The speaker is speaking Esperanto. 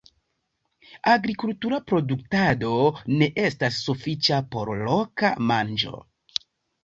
Agrikultura produktado ne estas sufiĉa por loka manĝo.